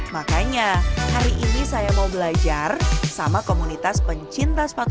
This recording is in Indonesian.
makanya hari ini saya mau belajar sama komunitas pencinta sepatu